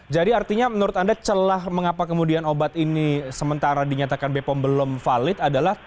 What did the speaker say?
jadi artinya menurut anda celah mengapa kemudian obat ini sementara dinyatakan bepom belum valid adalah